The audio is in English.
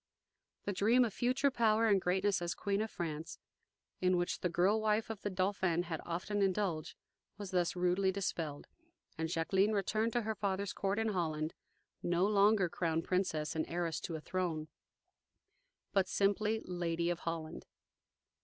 The dream of future power and greatness as Queen of France, in which the girl wife of the Dauphin had often indulged, was thus rudely dispelled, and Jacqueline returned to her father's court in Holland, no longer crown princess and heiress to a throne, but simply "Lady of Holland."